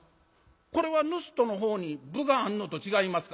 これは盗人の方に分があんのと違いますか？」。